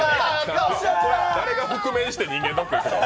誰が覆面して人間ドック行くの？